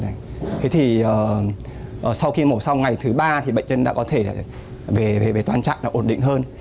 thế thì sau khi mổ xong ngày thứ ba thì bệnh nhân đã có thể về toàn trạng ổn định hơn